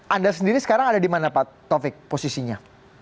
anda sendiri sekarang ada di mana pak taufik posisinya